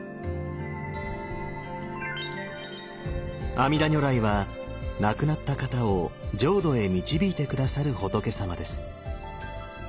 阿弥陀如来は亡くなった方を浄土へ導いて下さる仏さまです。